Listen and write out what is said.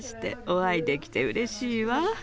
お会いできてうれしいわ。